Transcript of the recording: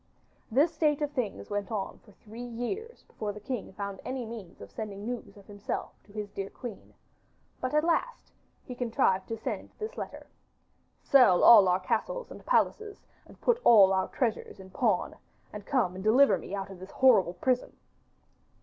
This state of things went on for three years before the king found any means of sending news of himself to his dear queen, but at last he contrived to send this letter: 'Sell all our castles and palaces, and put all our treasures in pawn and come and deliver me out of this horrible prison.